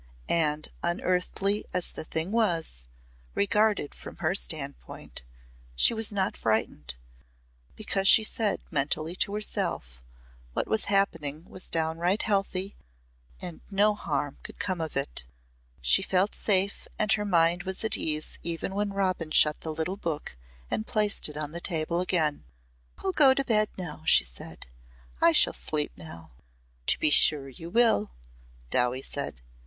And unearthly as the thing was, regarded from her standpoint, she was not frightened, because she said mentally to herself, what was happening was downright healthy and no harm could come of it. She felt safe and her mind was at ease even when Robin shut the little book and placed it on the table again. "I'll go to bed again," she said. "I shall sleep now." "To be sure you will," Dowie said.